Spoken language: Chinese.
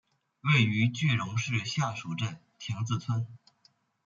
位于句容市下蜀镇亭子村。